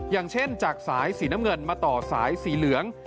อย่างเช่นจากสายสีน้ำเงินมาต่อสายสีเหลือง